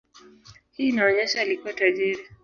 Hii inaonyesha alikuwa tajiri.